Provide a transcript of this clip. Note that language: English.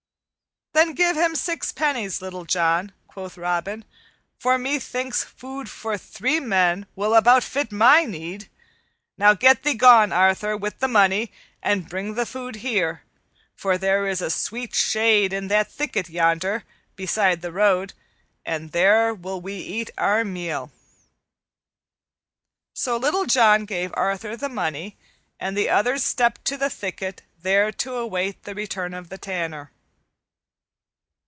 "Then give him six pennies, Little John," quoth Robin, "for methinks food for three men will about fit my need. Now get thee gone, Arthur, with the money, and bring the food here, for there is a sweet shade in that thicket yonder, beside the road, and there will we eat our meal." So Little John gave Arthur the money, and the others stepped to the thicket, there to await the return of the Tanner.